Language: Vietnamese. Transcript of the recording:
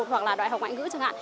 hoặc là đại học ngoại ngữ chẳng hạn